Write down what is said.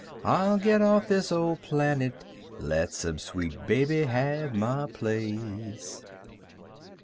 I'll get off this old planet, Let some sweet baby have my place.